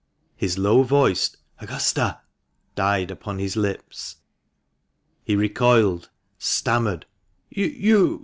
His low voiced "Augusta —" died upon his lips ; he recoiled, stammered —" You